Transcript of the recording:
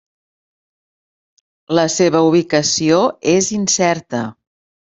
La seva ubicació és incerta.